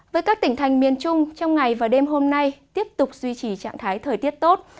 với các tỉnh thành miền trung trong ngày và đêm hôm nay tiếp tục duy trì trạng thái thời tiết tốt